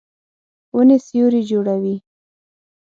ونې سیوری جوړوي.